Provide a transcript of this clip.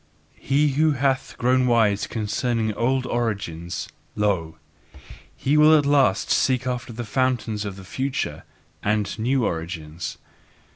He who hath grown wise concerning old origins, lo, he will at last seek after the fountains of the future and new origins.